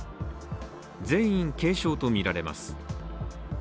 全員、軽症とみられます。